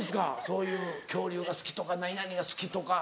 そういう恐竜が好きとか何々が好きとか。